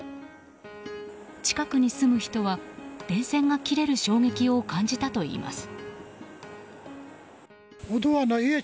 近くに住む人は電線が切れる衝撃を感じたといいます。